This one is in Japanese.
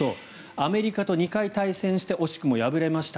アメリカと２回対戦して惜しくも敗れました。